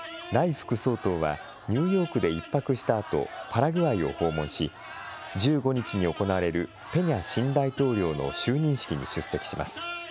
副総統は、ニューヨークで１泊したあとパラグアイを訪問し、１５日に行われるペニャ新大統領の就任式に出席します。